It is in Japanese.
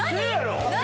何？